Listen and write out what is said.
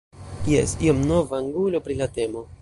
Jes, iom nova angulo pri la temo.